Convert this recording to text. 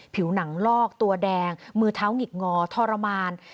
ผิวหนังลอกตัวแดงมือเท้าหงิกงอทรมาน